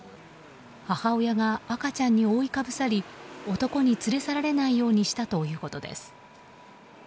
母親が赤ちゃんに覆いかぶさり男に連れ去られないようにしたということです。